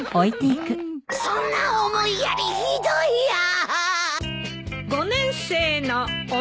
そんな思いやりひどいや！